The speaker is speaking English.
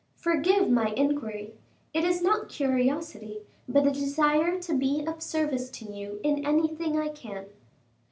Forgive my inquiry: it is not curiosity, but a desire to be of service to you in anything I can."